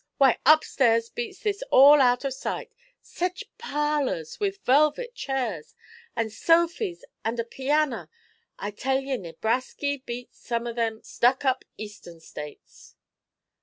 Why, upstairs beats this all out of sight. Sech parlours, with velvet chairs, and sofys, and a pianer; I tell ye Nebrasky beats some o' them stuck up Eastern States!'